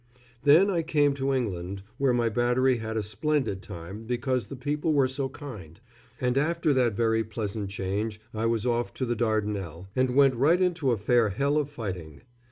Then I came to England, where my battery had a splendid time because the people were so kind; and after that very pleasant change I was off to the Dardanelles, and went right into a fair hell of fighting.